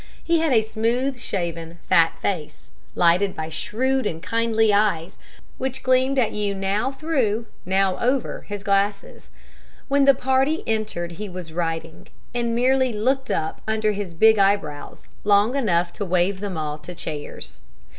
He had a smooth shaven, fat face, lighted by shrewd and kindly eyes, which gleamed at you now through, now over, his glasses. When the party entered he was writing, and merely looked up under his big eyebrows long enough to wave them all to chairs.